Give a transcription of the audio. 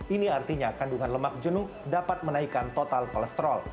ini artinya kandungan lemak jenuh dapat menaikkan total kolesterol